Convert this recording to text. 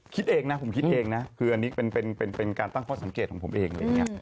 คิดเองนะผมคิดเองนะคืออันนี้เป็นการตั้งข้อสังเกตของผมเอง